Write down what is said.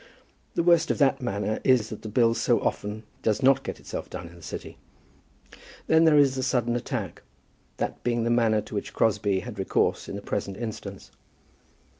The worst of that manner is, that the bill so often does not get itself done in the City. Then there is the sudden attack, that being the manner to which Crosbie had recourse in the present instance.